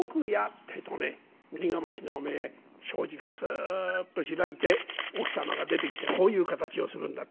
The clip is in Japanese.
ってえとねねり框の障子がすっと開いて奥様が出てきてこういう形をするんだ。